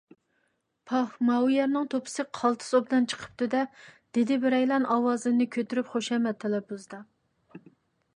پاھ، ماۋۇ يەرنىڭ توپىسى قالتىس ئوبدان چىقىپتۇ - دە! _ دېدى بىرەيلەن ئاۋازىنى كۈتۈرۈپ خۇشامەت تەلەپپۇزىدا.